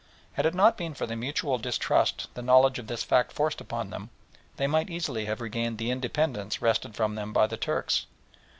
Had it not been for the mutual distrust the knowledge of this fact forced upon them, they might easily have regained the independence wrested from them by the Turks.